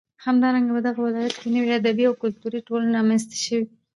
همدارنگه په دغه ولايت كې نوې ادبي او كلتوري ټولنې رامنځ ته شوې.